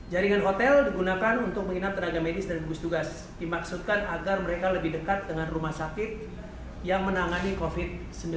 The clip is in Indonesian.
jaringan hotel digunakan untuk menginap tenaga medis dan gugus tugas dimaksudkan agar mereka lebih dekat dengan rumah sakit yang menangani covid sembilan belas